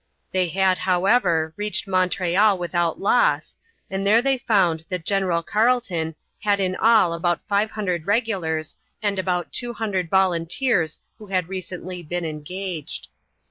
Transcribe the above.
They had, however, reached Montreal without loss, and there they found that General Carleton had in all about 500 regulars and about 200 volunteers who had recently been engaged.